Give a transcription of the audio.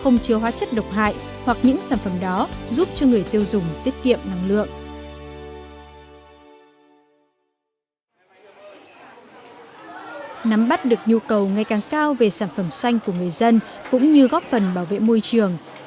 nắm bắt được nhu cầu ngày càng cao về sản phẩm xanh của người dân cũng như góp phần bảo vệ môi trường